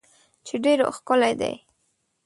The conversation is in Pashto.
چې ډیر ښکلی دی